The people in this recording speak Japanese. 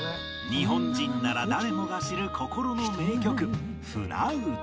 日本人なら誰もが知る心の名曲『舟唄』